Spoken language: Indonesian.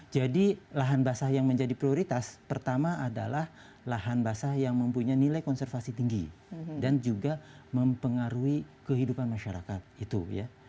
jadi lahan basah yang menjadi prioritas pertama adalah lahan basah yang mempunyai nilai konservasi tinggi dan juga mempengaruhi kehidupan masyarakat itu ya